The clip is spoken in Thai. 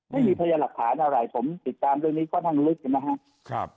ไม่มีพยานหลักฐานอะไรผมติดตามเรื่องนี้ค่อนข้างลึกนะครับ